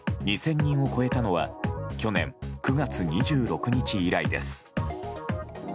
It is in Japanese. ２０００人を超えたのは去年９月２６日以来です。